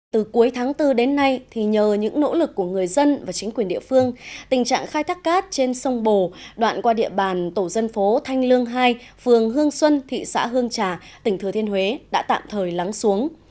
từ cuối tháng bốn đến nay nhờ những nỗ lực của người dân và chính quyền địa phương tình trạng khai thác cát trên sông bồ đoạn qua địa bàn tổ dân phố thanh lương hai phường hương xuân thị xã hương trà tỉnh thừa thiên huế đã tạm thời lắng xuống